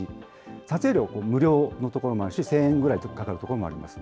撮影料無料の所もあるし、１０００円ぐらいかかる所もあります。